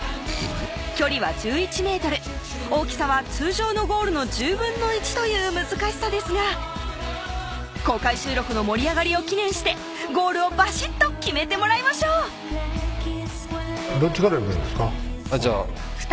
距離は１１ｍ大きさは通常のゴールの１０分の１という難しさですが公開収録の盛り上がりを祈念してゴールをバシッと決めてもらいましょうどっちからいくんですか？